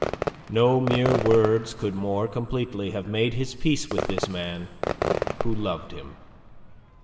No mere words could more completely have made his peace with this man who loved him.